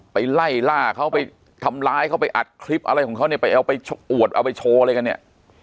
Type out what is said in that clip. ไปไล่ล่าเขาไปทำร้ายเขาไปอัดคลิปอะไรของเขาเนี่ยไปเอาไปอวดเอาไปโชว์อะไรกันเนี่ย